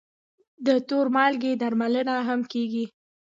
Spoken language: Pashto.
د تور مالګې درملنه هم کېږي.